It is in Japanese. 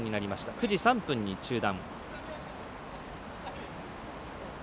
９時３分に中断。